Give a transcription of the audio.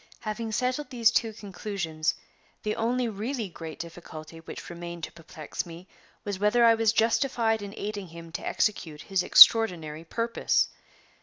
Having settled these two conclusions, the only really great difficulty which remained to perplex me was whether I was justified in aiding him to execute his extraordinary purpose.